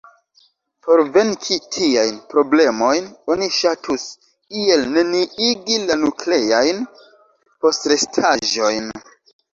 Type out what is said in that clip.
Por venki tiajn problemojn oni ŝatus iel neniigi la nukleajn postrestaĵojn.